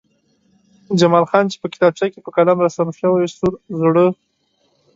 جمال خان چې په کتابچه کې په قلم رسم شوی سور زړه